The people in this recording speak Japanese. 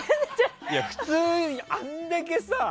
普通あんだけさ